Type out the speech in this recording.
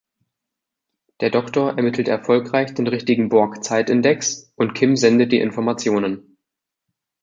Der Doktor ermittelt erfolgreich den richtigen Borg-Zeitindex und Kim sendet die Informationen.